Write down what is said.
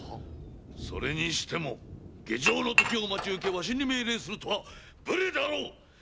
それにしても下城のときを待ち受けわしに命令するとは無礼であろう！